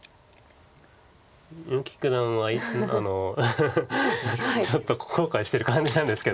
結城九段はちょっと後悔してる感じなんですけど。